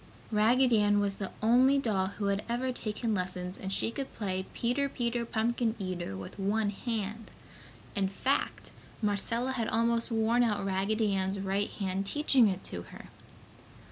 Raggedy Ann was the only doll who had ever taken lessons, and she could play Peter Peter Pumpkin Eater with one hand. In fact, Marcella had almost worn out Raggedy Ann's right hand teaching it to her.